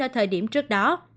ở thời điểm trước đó